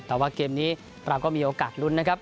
แต่ว่าเกมนี้เราก็มีโอกาสลุ้นนะครับ